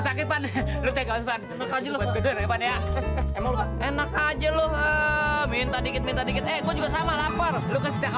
sampai jumpa di video selanjutnya